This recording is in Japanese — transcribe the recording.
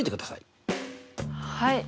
はい。